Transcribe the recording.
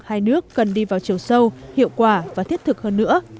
hai nước cần đi vào chiều sâu hiệu quả và thiết thực hơn nữa